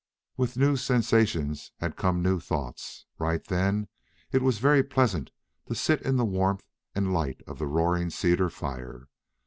With new sensations had come new thoughts. Right then it was very pleasant to sit in the warmth and light of the roaring cedar fire.